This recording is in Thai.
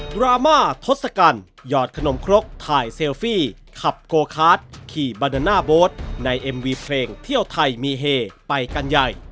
ดราม่าทศกัณฐ์หยอดขนมครกถ่ายเซลฟี่ขับโกคาร์ดขี่บาดาน่าโบ๊ทในเอ็มวีเพลงเที่ยวไทยมีเฮไปกันใหญ่